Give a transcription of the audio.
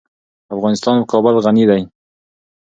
افغانستان په کابل غني دی.